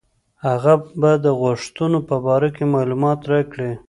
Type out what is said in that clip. هغه به د غوښتنو په باره کې معلومات راکړي.